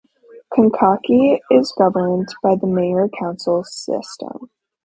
Kankakee is governed by the mayor council system.